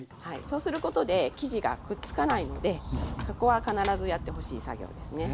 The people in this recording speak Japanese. そうすることで生地がくっつかないのでそこは必ずやってほしい作業ですね。